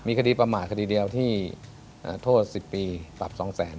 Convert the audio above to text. คดีประมาทคดีเดียวที่โทษ๑๐ปีปรับ๒๐๐๐